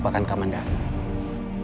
jangan samenwith gue